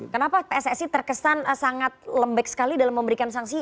kenapa pssi terkesan sangat lembek sekali dalam memberikan sanksi